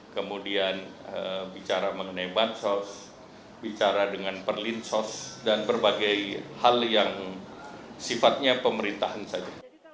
kemudian bicara mengenai bansos bicara dengan perlinsos dan berbagai hal yang sifatnya pemerintahan saja